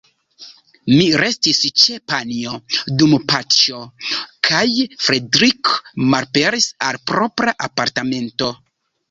Mi restis ĉe Panjo, dum Paĉjo kaj Fredrik malaperis al propra apartamento.